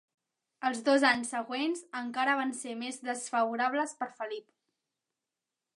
Els dos anys següents encara van ser més desfavorables per Felip.